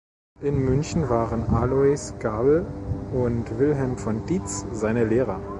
In München waren Alois Gabl und Wilhelm von Diez seine Lehrer.